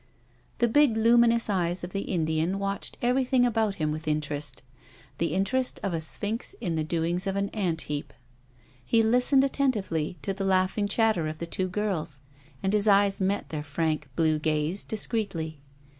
The big luminous eyes of the Indian watched every thing about him' with interest— the interest of a sphinx in the doings of an ant heap. He listened attentively to the laughing chatter of the two girls, and his eyes met their frank, blue gaze discreetly.